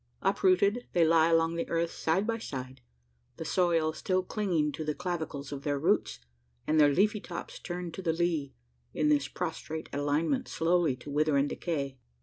Uprooted, they lie along the earth side by side the soil still clinging to the clavicles of their roots, and their leafy tops turned to the lee in this prostrate alignment slowly to wither and decay!